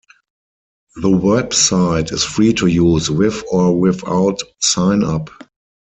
The website is free to use with or without signup.